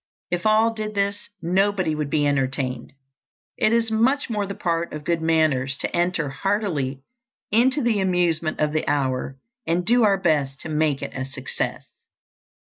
If all did this, nobody would be entertained. It is much more the part of good manners to enter heartily into the amusement of the hour, and do our best to make it a success.